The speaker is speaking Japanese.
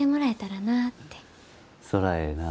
そらええな。